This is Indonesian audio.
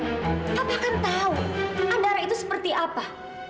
papa kan tahu andara itu seperti apa